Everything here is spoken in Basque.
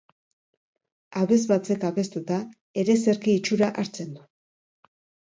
Abesbatzek abestuta, ereserki itxura hartzen du.